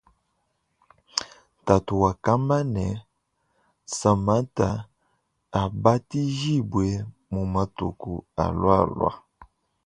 Tatu wakamba ne samanta abatijibwe mu matuku alwalwa.